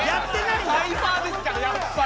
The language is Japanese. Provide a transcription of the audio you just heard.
サイファーですからやっぱり。